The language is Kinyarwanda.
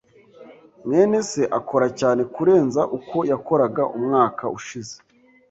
mwene se akora cyane kurenza uko yakoraga umwaka ushize.